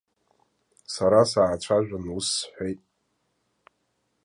Сара саацәажәан, ус сҳәеит.